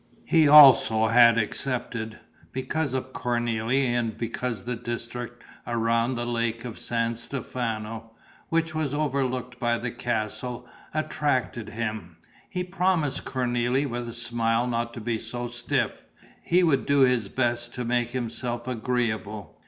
He also had accepted, because of Cornélie and because the district around the Lake of San Stefano, which was overlooked by the castle, attracted him. He promised Cornélie with a smile not to be so stiff. He would do his best to make himself agreeable.